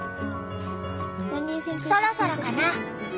そろそろかな？